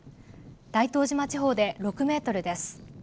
大東島地方で６メートルです。